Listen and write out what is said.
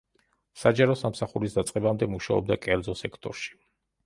საჯარო სამსახურის დაწყებამდე მუშაობდა კერძო სექტორში.